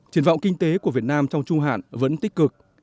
triển vọng kinh tế của việt nam trong trung hạn vẫn tích cực